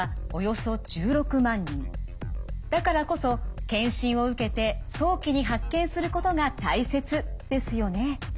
だからこそ検診を受けて早期に発見することが大切ですよね。